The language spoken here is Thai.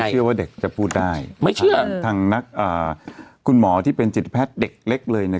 เชื่อว่าเด็กจะพูดได้ไม่เชื่อทางนักอ่าคุณหมอที่เป็นจิตแพทย์เด็กเล็กเลยเนี่ย